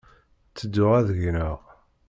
Tedduɣ ad gneɣ.